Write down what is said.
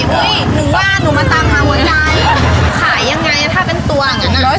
หนูว่าหนูมาตามหาหัวใจขายยังไงถ้าเป็นตัวอย่างนั้น